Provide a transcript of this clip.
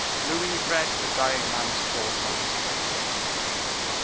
Louis read the dying man's thought in his face.